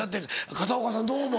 片岡さんどうも。